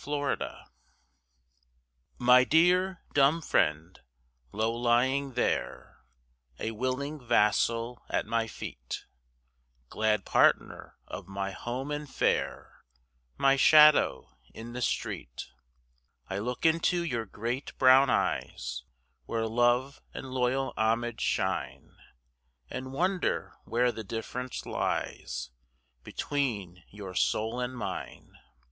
TO BLANCO My dear, dumb friend, low lying there, A willing vassal at my feet, Glad partner of my home and fare, My shadow in the street, I look into your great, brown eyes, Where love and loyal homage shine, And wonder where the difference lies Between your soul and mine.